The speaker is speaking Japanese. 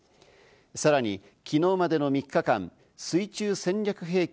さらに昨日までの３日間、水中戦略兵器